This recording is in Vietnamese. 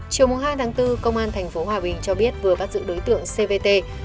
chiều hai tháng bốn công an tp hòa bình cho biết vừa bắt giữ đối tượng cvt